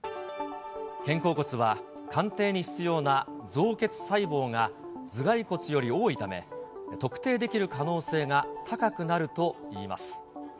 肩甲骨は鑑定に必要な造血細胞が頭蓋骨より多いため、特定できる可能性が高くなるといいます。